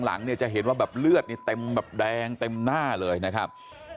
หลังเนี่ยจะเห็นว่าแบบเลือดนี่เต็มแบบแดงเต็มหน้าเลยนะครับ